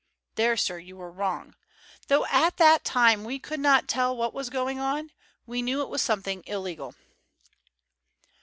There, sir, you were wrong. Though at that time we could not tell what was going on, we knew it was something illegal."